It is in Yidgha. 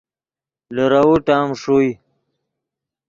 لیروؤ ٹیم ݰوئے